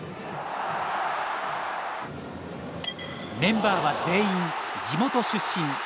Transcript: メンバーは全員地元出身。